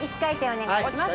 お願いします。